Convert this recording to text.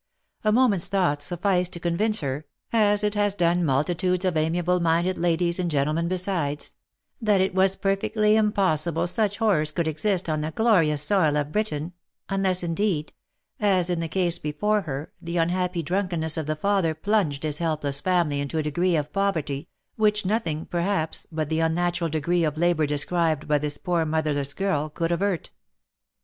A moment's thought sufficed to convince her (as it has done multitudes of amiable minded ladies and gentlemen besides), that it was perfectly impossible such horrors could exist on the glorious soil of Britain, unless indeed, as in the case before her, the unhappy drunkenness of the father plunged his helpless family into a degree of poverty, which nothing, perhaps, but the unnatural degree of labour described by this poor motherless girl, could avert.